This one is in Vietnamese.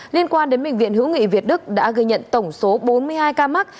liên quan đến bệnh viện hữu nghị việt đức đã ghi nhận tổng số bốn mươi hai ca mắc